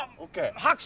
拍手！